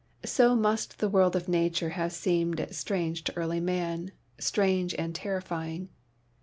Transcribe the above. So must the world of nature have seemed strange to early man, strange and terrifying.